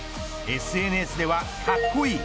ＳＮＳでは、かっこいい。